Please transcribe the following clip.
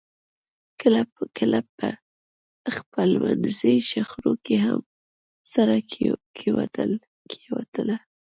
کله کله به په خپلمنځي شخړو کې هم سره کېوتل